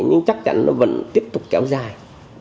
nhưng chắc chắn nó vẫn tiếp tục kéo dài